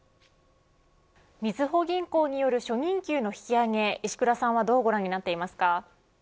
みずほ銀行による初任給の引き上げ石倉さんはどうご覧になっていますか。